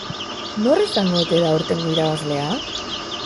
Nor izango ote da aurtengo irabazlea?